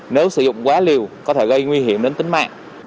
nếu sử dụng quá liều có thể gây nguy hiểm đến tính mạng